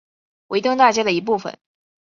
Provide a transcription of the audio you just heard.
维登大街的一部分。